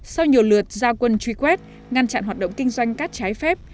sau nhiều lượt gia quân truy quét ngăn chặn hoạt động kinh doanh cát trái phép